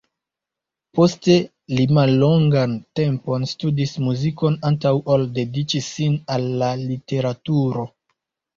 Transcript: Poste li mallongan tempon studis muzikon, antaŭ ol dediĉi sin al la literaturo.